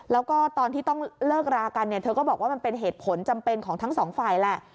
แล้วก็ตอนที่ต้องเลิกรากันเนี่ยเธอก็บอกว่ามันเป็นเหตุผลจำเป็นของทั้งสองฝ่ายแหละ